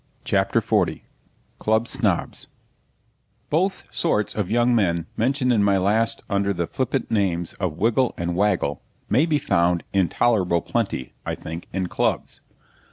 CHAPTER XL CLUB SNOBS Both sorts of young men, mentioned in my last under the flippant names of Wiggle and Waggle, may be found in tolerable plenty, I think, in Clubs.